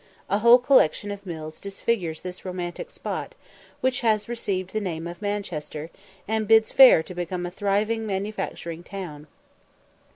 A whole collection of mills disfigures this romantic spot, which has received the name of Manchester, and bids fair to become a thriving manufacturing town!